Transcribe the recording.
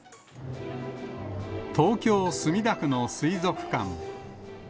東京・墨田区の水族館。